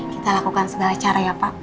kita lakukan segala cara ya pak